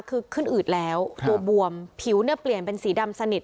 คือขึ้นอืดแล้วตัวบวมผิวเนี่ยเปลี่ยนเป็นสีดำสนิท